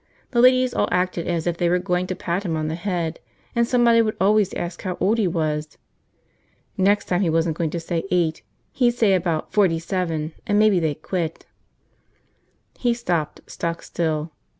The ladies all acted as if they were going to pat him on the head, and somebody would always ask how old he was. Next time he wasn't going to say eight, he'd say about forty seven and maybe they'd quit. ... He stopped, stock still.